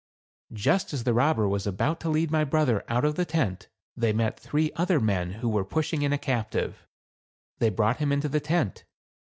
Just as the robber was about to lead my brother out of the tent, they met three other men, who were pushing in a captive. They brought him into the tent.